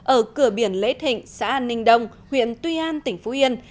ở cửa biển lễ thịnh xã an ninh đông huyện tuy an tỉnh phú yên